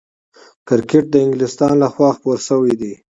کرکټ د انګلستان له خوا خپور سوی دئ.